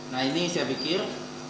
nah ini saya pikir